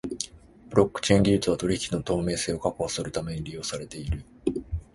ブロックチェーン技術は取引の透明性を確保するために利用されている。